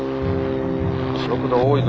速度多いぞ。